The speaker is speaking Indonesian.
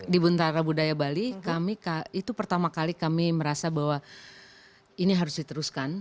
di buntara budaya bali itu pertama kali kami merasa bahwa ini harus diteruskan